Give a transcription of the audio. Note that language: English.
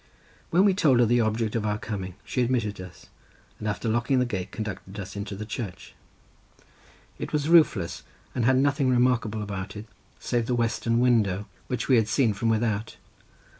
When we told her the object of our coming she admitted us, and after locking the gate conducted us into the church. It was roofless, and had nothing remarkable about it, save the western window, which we had seen from without.